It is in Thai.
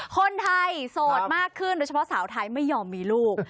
คนไทยโสดมากขึ้นโดยเฉพาะสาวไทยไม่ยอมมีลูก